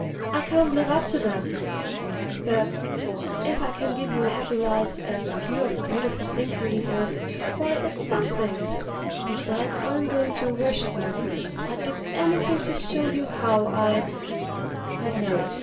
I can't live up to that, but if I can give you a happy life, and a few of the beautiful things you deserve, why, it's something! Besides, I'm going to worship my princess. I'd give anything to show you how I but no.